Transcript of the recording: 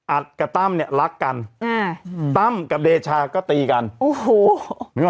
กับตั้มเนี่ยรักกันอ่าตั้มกับเดชาก็ตีกันโอ้โหนึกออก